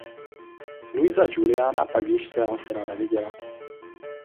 Luisa Juliana pak již svého syna neviděla.